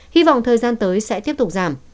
hy vọng thời gian tới sẽ tiếp tục giảm